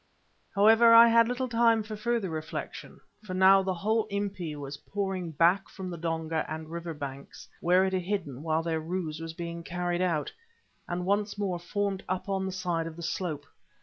However, I had little time for further reflection, for now the whole Impi was pouring back from the donga and river banks where it had hidden while their ruse was carried out, and once more formed up on the side of the slope.